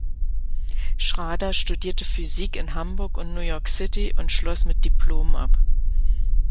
Schrader studierte Physik in Hamburg und New York City und schloss mit Diplom ab.